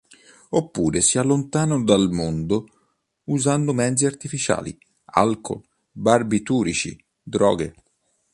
Oppure si allontanano dal mondo usando mezzi artificiali: alcool, barbiturici, droghe.